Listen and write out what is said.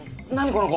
この子。